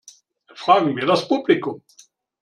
Fragen wir das Publikum!